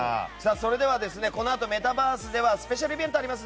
このあとメタバースではスペシャルイベントがあります。